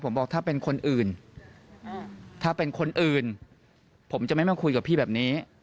ผมบอกถ้าเป็นคนอื่นถ้าเป็นคนอื่นผมจะไม่มาคุยกับพี่แบบนี้